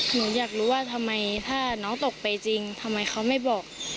หนูอยากรู้ว่าทำไมถ้าน้องตกไปจริงทำไมเขาไม่บอก